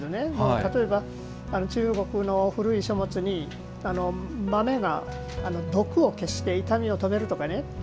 例えば中国の古い書物に豆が毒を消して痛みを止めるとかね。